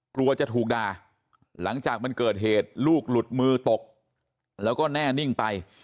กลัวจะถูกด่าหลังจากมันเกิดเหตุลูกหลุดมือตกแล้วก็แน่นิ่งไป